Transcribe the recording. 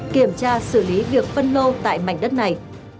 kiểm tra xử lý việc phân lô tại mảnh đất này